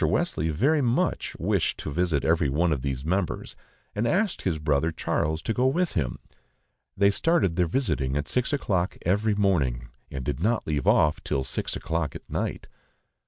Wesley very much wished to visit every one of these members, and asked his brother Charles to go with him. They started their visiting at six o'clock every morning, and did not leave off till six o'clock at night.